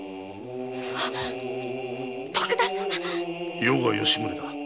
余が吉宗だ。